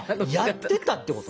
やってたってこと？